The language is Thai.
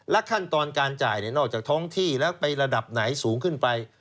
ขั้นตอนการจ่ายนอกจากท้องที่แล้วไประดับไหนสูงขึ้นไป